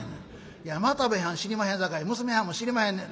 いや又兵衛はん知りまへんさかい娘はんも知りまへんねん」。